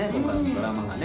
ドラマはね。